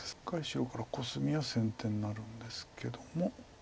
白からコスミは先手になるんですけども。